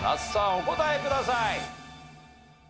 お答えください。